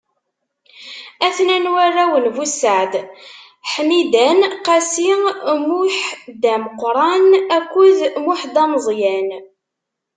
A-ten-an warraw n Bussaɛd: Ḥmidan, Qasi, Muḥdameqṛan akked Muḥdameẓyan.